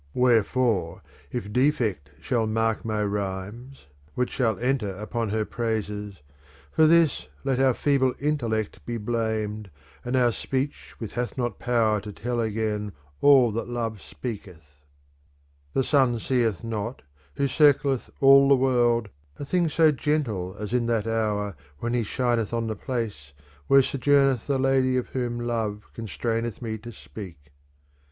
Wherefore if defect shall mark niy rhymes, which shall enter upon her praises, for this let our feeble intellect be blamed, and our speech which hath not power to tell again all that love speaketh. ■ j j lUii ..1 •:!£; c j\ .,;.'.. ii ij. '. i.t /'•>\\'':v:\ \'. t^a; ■ liie sun" seefh not^ Wfib circlet^ ^u{! the worldv a, thing so gentle as in that hour when he shineth «ir the place where sojourneth the lady of whom love con i straineth me to speak.